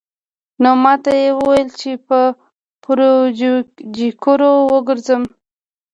نو ماته يې وويل چې پر پوجيگرو وگرځم.